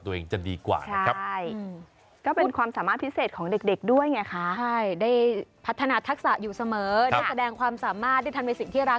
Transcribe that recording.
ได้พัฒนาทักษะอยู่เสมอได้แสดงความสามารถได้ทำเป็นสิ่งที่รัก